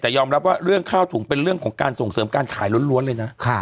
แต่ยอมรับว่าเรื่องข้าวถุงเป็นเรื่องของการส่งเสริมการขายล้วนเลยนะ